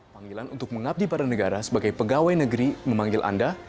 panggilan untuk mengabdi para negara sebagai pegawai negeri memanggil anda